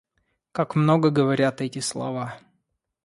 Как много говорят эти слова.